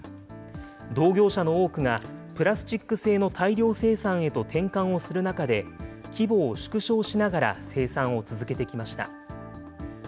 同業者の多くが、プラスチック製の大量生産へと転換をする中で、規模を縮小しながら生産を続けてきました。